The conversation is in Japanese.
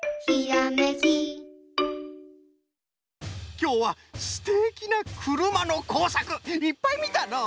きょうはすてきなくるまのこうさくいっぱいみたのう。